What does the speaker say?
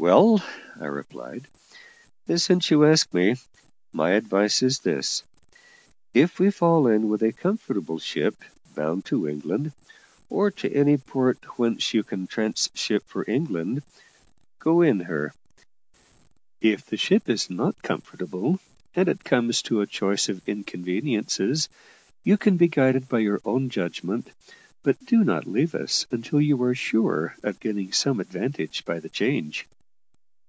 "Well," I replied, "since you ask me, my advice is this. If we fall in with a comfortable ship, bound to England, or to any port whence you can trans ship for England, go in her; if the ship is not comfortable, and it comes to a choice of inconveniences, you can be guided by your own judgment, but do not leave us until you are sure of gaining some advantage by the change."